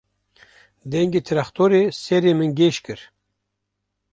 Dengê trextorê serê min gêj kir.